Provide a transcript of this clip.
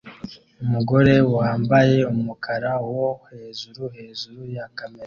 Umugore wambaye umukara wo hejuru hejuru ya kamera